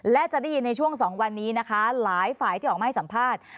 และจะได้ยินในช่วง๒วันนี้นะคะหลายฝ่ายที่ออกมาให้สัมภาษณ์